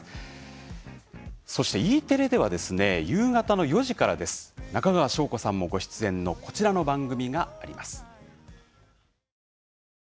そしてＥテレでは、夕方４時から中川翔子さんもご出演のこちらの番組です。